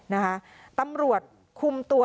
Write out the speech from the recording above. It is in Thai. นะคะตำรวจคุมตัว